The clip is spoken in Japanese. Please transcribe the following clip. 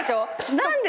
何で？